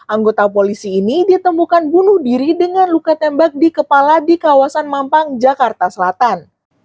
anggota polisi ini ditemukan bunuh diri dengan luka tembak di kepala di kawasan mampang jakarta selatan